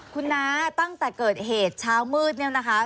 คุณน้าตั้งแต่เกิดเหตุเช้ามืดเนี่ยนะคะ